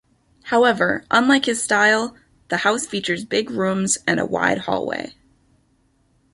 However, unlike his style, the house features big rooms, and a wide hallway.